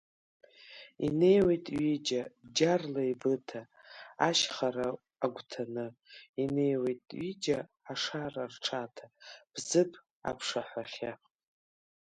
Инеиуеит ҩыџьа, бџьарла еибыҭа, ашьхара агәҭаны, инеиуеит ҩыџьа ашара рҽаҭа Бзыԥ аԥшаҳәахьы!